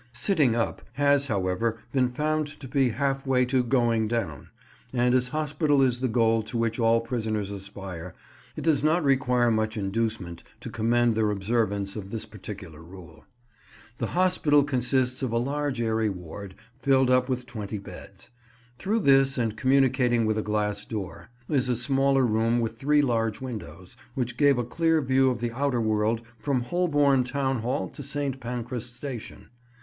"Sitting up" has, however, been found to be half way to "going down"; and, as hospital is the goal to which all prisoners aspire, it does not require much inducement to commend their observance of this particular rule. The hospital consists of a large airy ward, fitted up with twenty beds. Through this, and communicating with a glass door, is a smaller room with three large windows, which gave a clear view of the outer world from Holborn Town Hall to St. Pancras Station.